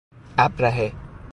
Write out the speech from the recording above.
ابرهه